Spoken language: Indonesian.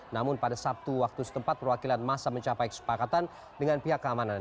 namun pada sabtu waktu setempat perwakilan masa mencapai kesepakatan dengan pihak keamanan